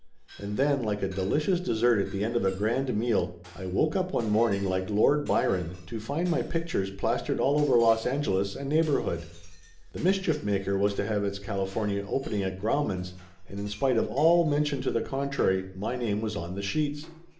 And then, like a delicious des sert at the end of a grand meal, I woke up one morn ing like Lord Byron, to find my pictures plastered all over Los Angeles and neighborhood. The Mischief Maker was to have its California opening at Grauman's, and in spite of all mention to the contrary my name was on the sheets.